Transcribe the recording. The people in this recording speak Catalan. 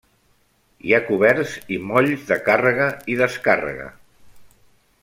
Hi ha coberts i molls de càrrega i descàrrega.